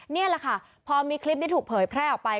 นี่แหละค่ะพอมีคลิปนี้ถูกเผยแพร่ออกไป